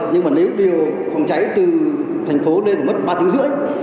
nhưng mà nếu điều phòng cháy từ thành phố lên thì mất ba tiếng rưỡi